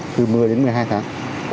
từ một mươi đến một mươi hai tháng